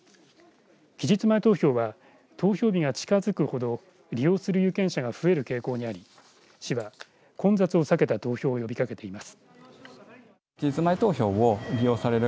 期日前投票は投票日が近づくほど利用する有権者が増える傾向にあり市は混雑を避けた投票を呼びかけています。